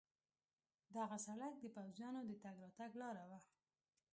دغه سړک د پوځیانو د تګ راتګ لار وه.